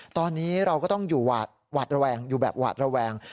ตอนนี้เราก็ต้องอยู่หวาดระแวงอยู่แบบหวาดระแวง